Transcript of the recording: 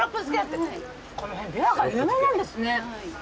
この辺びわが有名なんですね。